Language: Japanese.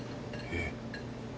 えっ？